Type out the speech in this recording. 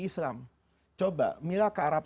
islam coba mila ke arab